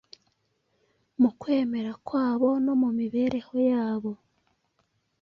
mu kwemera kwabo no mu mibereho yabo.